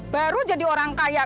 baru jadi orang kaya